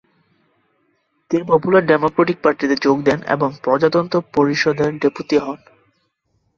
তিনি popular democratic পার্টিতে যোগ দেন এবং প্রজাতন্ত্র পরিষদের ডেপুটি হন।